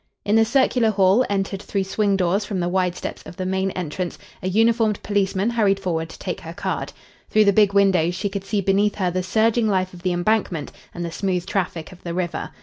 In the circular hall, entered through swing doors from the wide steps of the main entrance, a uniformed policeman hurried forward to take her card. Through the big windows she could see beneath her the surging life of the Embankment and the smooth traffic of the river.